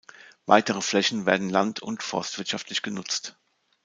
Weitere Flächen werden land- und forstwirtschaftlich genutzt.